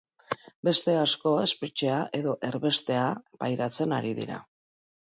Beste asko espetxea edo erbestea pairatzen ari dira.